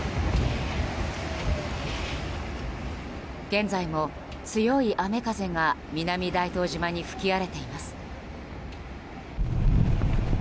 現在も強い雨風が南大東島に吹き荒れています。